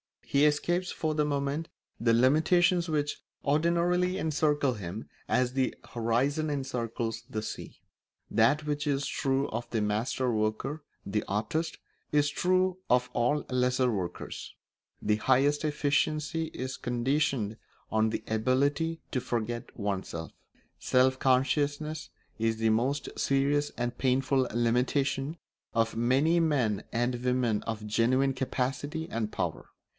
He escapes for the moment the limitations which ordinarily encircle him as the horizon encircles the sea. That which is true of the master worker, the artist, is true of all lesser workers: the highest efficiency is conditioned on the ability to forget oneself. Self consciousness is the most serious and painful limitation of many men and women of genuine capacity and power.